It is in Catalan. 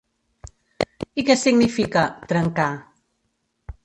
I què significar “trencar”?